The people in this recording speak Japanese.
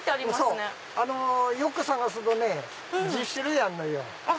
よく探すとね１０種類あるのよ。